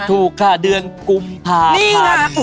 ถูกค่ะเดือนกุมภาพันธ์